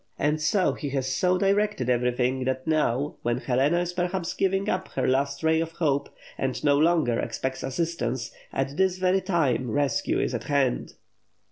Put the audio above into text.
And so He has so directed everything that now, when Helena is perhaps giving up her last ray of hope and no longer expects assistance, at this very time rescue is at hand.